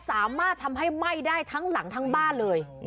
สามารถทำให้ไหม้ได้ทั้งหลังทั้งบ้านเลย